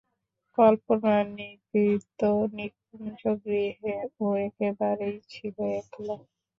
কল্পনার নিভৃত নিকুঞ্জগৃহে ও একেবারেই ছিল একলা।